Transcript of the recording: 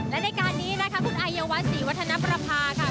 และในการนี้นะคะคุณอายวัฒนศรีวัฒนประภาค่ะ